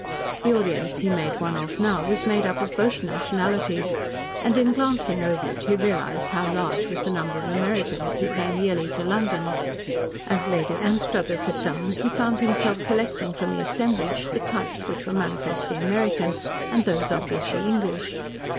The audience he made one of now, was made up of both nationalities, and, in glancing over it, he realised how large was the number of Americans who came yearly to London. As Lady Anstruthers had done, he found himself selecting from the assemblage the types which were manifestly American, and those obviously English.